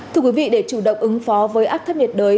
thưa quý vị để chủ động ứng phó với áp thấp nhiệt đới